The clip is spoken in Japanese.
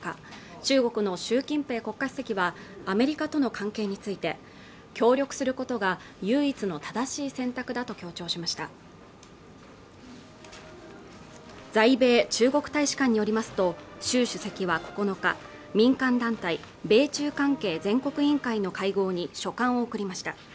中国の習近平国家主席はアメリカとの関係について協力することが唯一の正しい選択だと強調しました在米中国大使館によりますと習主席は９日民間団体米中関係全国委員会の会合に書簡を送りました